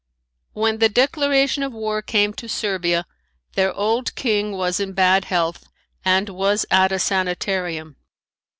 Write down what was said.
When the declaration of war came to Servia, their old king was in bad health and was at a sanitarium.